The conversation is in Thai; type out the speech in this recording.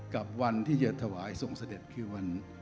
กับวันที่จะถวายส่งเสด็จคือวัน